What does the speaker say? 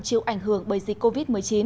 chịu ảnh hưởng bởi dịch covid một mươi chín